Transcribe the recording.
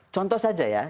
contoh saja ya